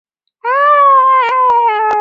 狭叶剪秋罗是石竹科剪秋罗属的植物。